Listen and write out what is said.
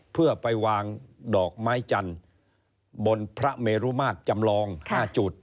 เพื่อไปวางดอกไม้จันทร์บนพระเมรุมาตรจำลอง๕จุด